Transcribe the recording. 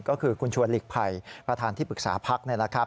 ก็คือคุณชวนหลีกภัยประธานที่ปรึกษาพักนี่แหละครับ